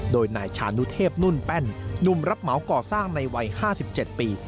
โดยนายชานุเทพนุ่นแป้นหนุ่มรับเหมาก่อสร้างในวัย๕๗ปี